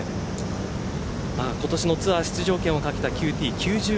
今年のツアー出場権を懸けたＱＴ９０位。